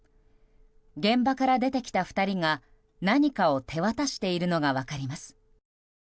現場から出てきた２人が何かを手渡しているのが分かります。